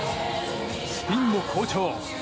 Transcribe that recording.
スピンも好調。